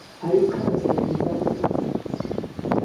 Ари схала слахьынҵакәӡам.